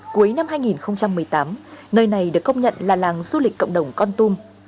cuối năm hai nghìn một mươi tám nơi này được công nhận là làng du lịch cộng đồng con tum